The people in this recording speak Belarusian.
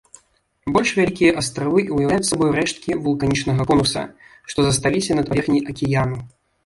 Больш вялікія астравы ўяўляюць сабою рэшткі вулканічнага конуса, што засталіся над паверхняй акіяну.